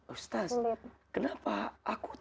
ustaz kenapa aku tuh sulit